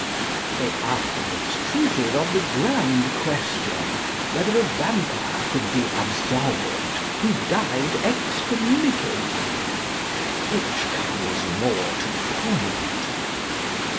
They afterwards treated of the grand question, whether a vampire could be absolved who died excommunicated, which comes more to the point.